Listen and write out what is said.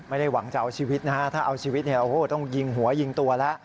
ไม่ได้หวังจะเอาชีวิตนะถ้าเอาชีวิตต้องยิงหัวยิงตัวแล้ว